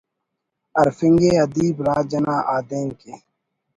ہرفنگے ادیب راج انا آدینک ءِ